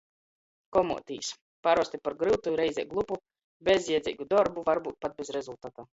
Komuotīs - parosti par gryutu i reizē glupu, bezjiedzeigu dorbu, varbyut pat bez rezultata.